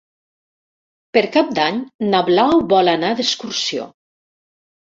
Per Cap d'Any na Blau vol anar d'excursió.